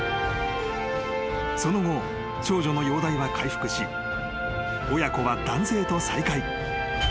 ［その後少女の容体は回復し親子は男性と再会］